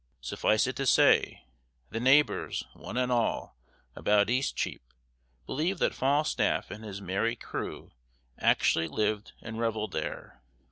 Suffice it to say, the neighbors, one and all, about Eastcheap, believe that Falstaff and his merry crew actually lived and revelled there.